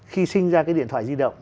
khi sinh ra cái điện thoại di động